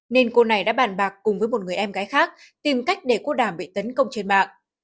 nên cô này đã bàn bạc cùng với một người em gái khác tìm cách để cô đàm bị tấn công trên mạng